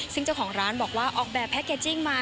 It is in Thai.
ซึ่งเจ้าของร้านบอกว่าออกแบบแพ็กเกจจิ้งมา